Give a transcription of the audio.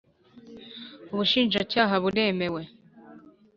Ubushinjacyaha buremewe.